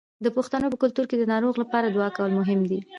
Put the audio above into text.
د پښتنو په کلتور کې د ناروغ لپاره دعا کول مهم دي.